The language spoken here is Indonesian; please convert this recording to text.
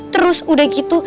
terus udah gitu